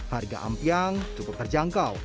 harga ampiang cukup terjangkau